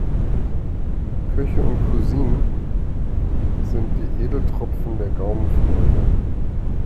Köche und Cuisine sind die Edeltropfen der Gaumenfreude.